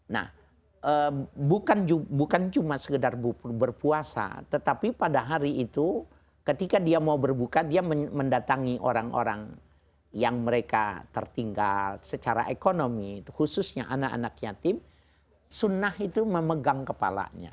nah bukan cuma sekedar berpuasa tetapi pada hari itu ketika dia mau berbuka dia mendatangi orang orang yang mereka tertinggal secara ekonomi khususnya anak anak yatim sunnah itu memegang kepalanya